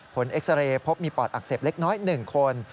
เอ็กซาเรย์พบมีปอดอักเสบเล็กน้อย๑คน